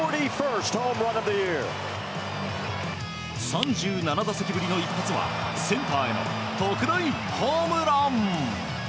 ３７打席ぶりの一発はセンターへの特大ホームラン！